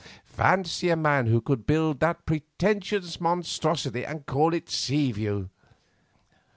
Fancy a man who could build that pretentious monstrosity and call it Seaview!